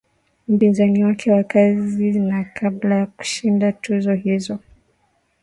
Mpinzani wake wa kazi na kabla ya kushinda tuzo hizo